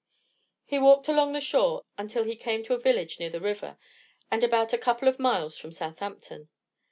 He walked along the shore until he came to a village near the river, and about a couple of miles from Southampton.